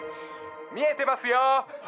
見えてますよ！